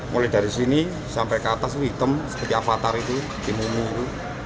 mulai dari sini sampai ke atas itu hitam seperti avatar itu dimung mulu